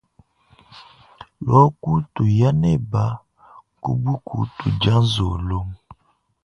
Luaku tuya neba ku buku tudia nzolo.